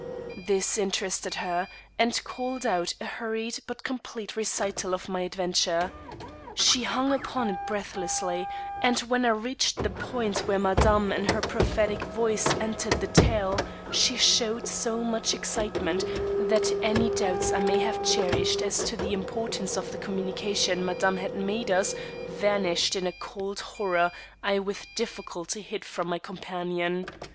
This interested her, and called out a hurried but complete recital of my adventure. She hung upon it breathlessly, and when I reached the point where Madame and her prophetic voice entered the tale, she showed so much excitement that any doubts I may have cherished as to the importance of the communication Madame had made us vanished in a cold horror I with difficulty hid from my companion.